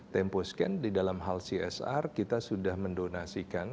temposcan di dalam hal csr kita sudah mendonasikan